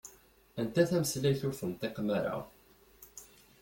Anta tameslayt ur tenṭiqem-ara?